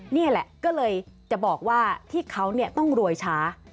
นี่แหละก็เลยจะบอกว่าที่เขาต้องรวยช้า